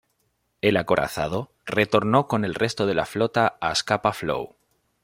El acorazado, retornó con el resto de la flota a Scapa Flow.